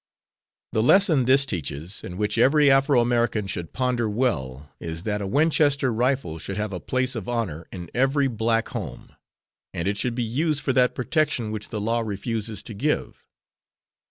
The lesson this teaches and which every Afro American should ponder well, is that a Winchester rifle should have a place of honor in every black home, and it should be used for that protection which the law refuses to give.